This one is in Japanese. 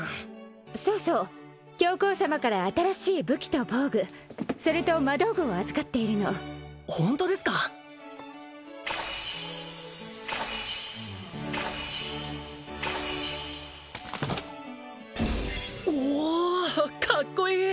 そうそう教皇様から新しい武器と防具それと魔道具を預かっているのホントですかおおカッコいい